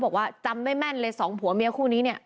บอกว่าจำได้แม่นเลยสองผัวเมียคู่นี้เนี่ย